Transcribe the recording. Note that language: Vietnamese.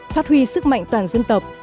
phát huy sức mạnh toàn dân tộc